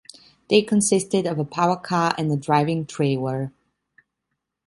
They consisted of a power car and a driving trailer.